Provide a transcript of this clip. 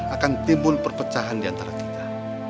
akan timbul perpecahan diantara kita